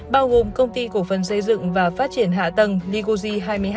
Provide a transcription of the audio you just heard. bao gồm công ty cổ phận xây dựng và phát triển hạ tầng ligozi hai mươi hai